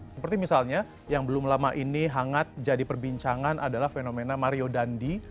seperti misalnya yang belum lama ini hangat jadi perbincangan adalah fenomena mario dandi